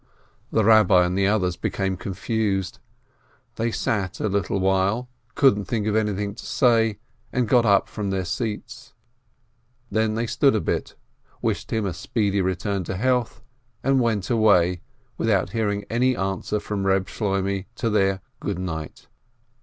The Eabbi and the others became confused. They sat a little while, couldn't think of anything to say, and got up from their seats. Then they stood a bit, wished him a speedy return to health, and went away, without hearing any answer from Eeb Shloimeh to their "good night."